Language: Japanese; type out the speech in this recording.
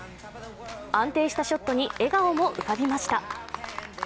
安定したショットに笑顔も浮かびました。